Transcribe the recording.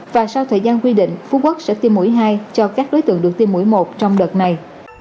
và sau thời gian quy định phú quốc sẽ tiêm mũi hai cho các đối tượng được tiêm mũi một trong đợt này